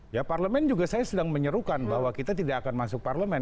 ya parlemen juga saya sedang menyerukan bahwa kita tidak akan masuk parlemen